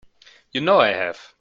You know I have.